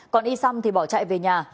còn y sam thì bỏ chạy về nhà